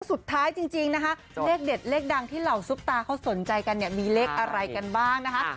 สุดท้ายจริงนะคะเลขเด็ดเลขดังที่เหล่าซุปตาเขาสนใจกันเนี่ยมีเลขอะไรกันบ้างนะคะ